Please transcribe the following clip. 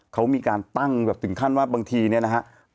เขามีการตั้งแบบถึงขั้นว่าบางทีเนี่ยนะฮะ